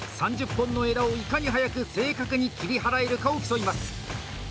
３０本の枝をいかに速く正確に切り払えるかを競います。